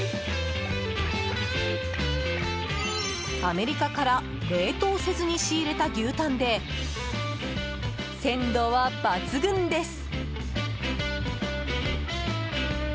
アメリカから冷凍せずに仕入れた牛タンで、鮮度は抜群です。